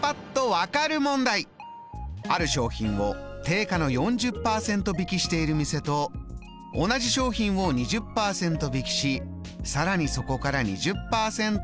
「ある商品を定価の４０％引きしている店と同じ商品を２０％引きしさらにそこから２０％割引した店。